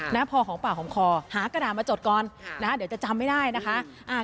นะพอหอมปากหอมคอหากระดาษมาจดก่อนนะคะเดี๋ยวจะจำไม่ได้นะคะ